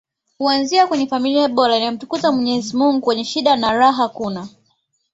huanzia kwenye familia bora inayomtukuza mwenyezi mungu kwenye shida na raha kuna